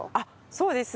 そうですね。